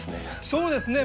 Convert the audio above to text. そうですね。